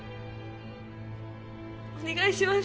お願いします